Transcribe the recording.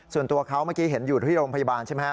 ส่วนตัวเขาเมื่อกี้เห็นอยู่ที่โรงพยาบาลใช่ไหมฮะ